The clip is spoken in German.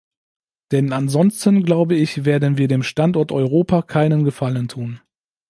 Denn ansonsten, glaube ich, werden wir dem Standort Europa keinen Gefallen tun.